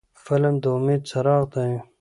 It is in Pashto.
فلم د امید څراغ دی